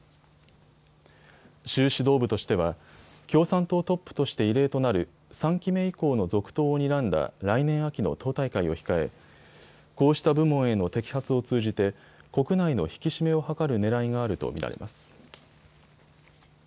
習指導部としては共産党トップとして異例となる３期目以降の続投をにらんだ来年秋の党大会を控えこうした部門への摘発を通じて国内の引き締めを図るねらいがあると見られます。